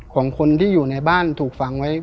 ของคนที่อยู่ในบ้านถูกฝังไว้